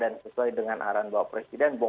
jadi sesuai dengan arahan bapak presiden